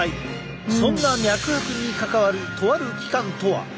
そんな脈拍に関わるとある器官とは？